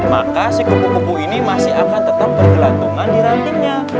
maka si kupu kupu ini masih akan tetap bergelantungan di rantingnya